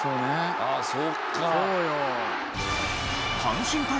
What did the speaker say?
ああそっか。